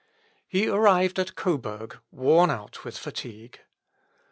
" He arrived at Coburg, worn out with fatigue.